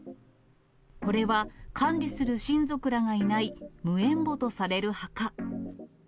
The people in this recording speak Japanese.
これは管理する親族らがいない無縁墓とされる墓。